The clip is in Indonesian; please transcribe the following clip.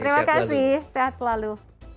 terima kasih sehat selalu